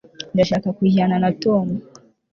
ndashaka kujyana na tom